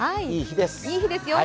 いい日ですよ。